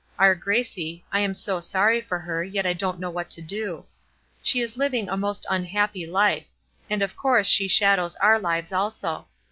Our Gracie I am so sorry for her, yet I don't know what to do. She is living a most unhappy life, and of course she shadows our lives also.